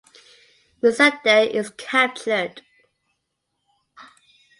Missandei is captured.